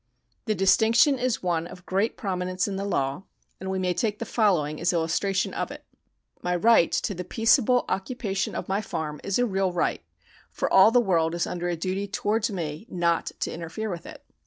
The distinction is one of great prominence in the law, and we may take the following as illustrations of it. My right to the peaceable occupation of my farm is a real right, for all the world is under a duty towards me not to interfere with it.